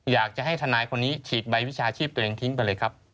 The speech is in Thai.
อยากจะให้ทนายคนนี้ฉีดใบวิชาชีพตัวเองทิ้งไปเลยครับ